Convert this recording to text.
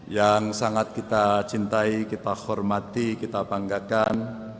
yang sangat kita cintai kita hormati kita banggakan